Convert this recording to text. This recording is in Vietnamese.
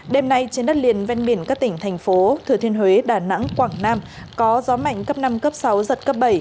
đêm nay trên đất liền ven biển các tỉnh thành phố thừa thiên huế đà nẵng quảng nam có gió mạnh cấp năm cấp sáu giật cấp bảy